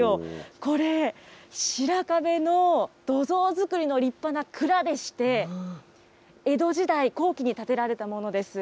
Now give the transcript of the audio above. これ、白壁の土蔵造りの立派な蔵でして、江戸時代後期に建てられたものです。